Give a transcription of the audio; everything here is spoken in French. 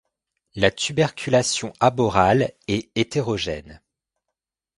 La tuberculation aborale est hétérogène.